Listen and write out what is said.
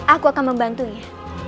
aku akan membantunya